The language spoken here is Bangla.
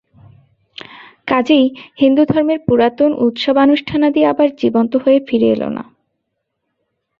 কাজেই হিন্দুধর্মের পুরাতন উৎসবানুষ্ঠানাদি আর জীবন্ত হয়ে ফিরে এল না।